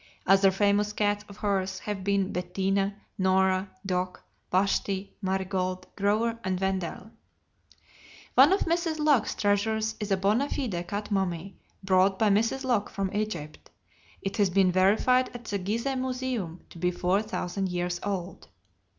Other famous cats of hers have been Bettina, Nora, Doc, Vashti, Marigold, Grover, and Wendell. One of Mrs Locke's treasures is a bona fide cat mummy, brought by Mrs. Locke from Egypt. It has been verified at the Gizeh Museum to be four thousand years old.